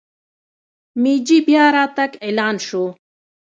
مېجي بیا راتګ اعلان شو.